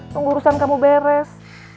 pengurusan kamu beres